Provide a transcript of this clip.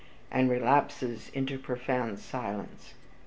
and relapses into profound silence.